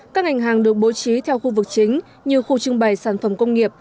các ngành hàng được bố trí theo khu vực chính như khu trưng bày sản phẩm công nghiệp